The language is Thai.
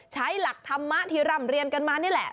ใช้หลักธรรมธิรรมเรียนกันมานี่แหละ